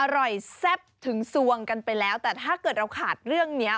แซ่บถึงสวงกันไปแล้วแต่ถ้าเกิดเราขาดเรื่องเนี้ย